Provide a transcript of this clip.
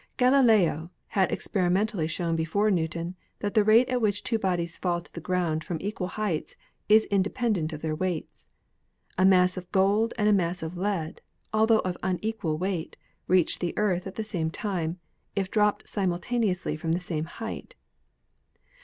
Galileo had experimentally shown before Newton that the rate at which two bodies fall to the ground from equal heights is independent of their weights. A mass of gold and a mass of lead, altho of unequal weight, reach the Earth at the same time if dropped simultaneously from the same height.